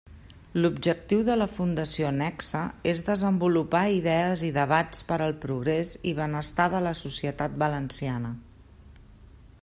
L'objectiu de la Fundació Nexe és desenvolupar idees i debats per al progrés i benestar de la societat valenciana.